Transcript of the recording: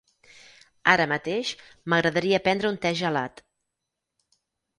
Ara mateix, m'agradaria prendre un te gelat.